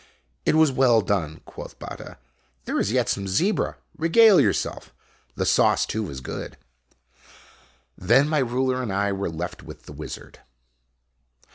"It was well done," quoth Batta. "There is yet some zebra. Regale yourself. The sauce, too, is good." Then my ruler and I were left with the wizard.